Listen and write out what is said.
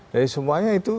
jadi semuanya itu